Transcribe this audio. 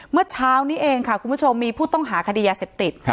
เมื่อเช้านี้เองค่ะคุณผู้ชมมีผู้ต้องหาคดียาเสพติด